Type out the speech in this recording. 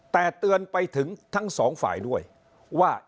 แต่เตือนไปถึงทั้งสองฝ่ายด้วยว่า